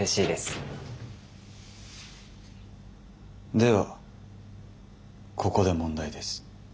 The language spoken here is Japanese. ではここで問題です。